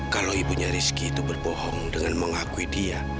kalau ibunya rizky itu berbohong dengan mengakui dia